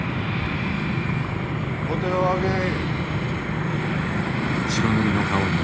面を上げい。